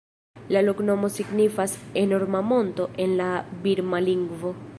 La loknomo signifas "enorma monto" en la birma lingvo.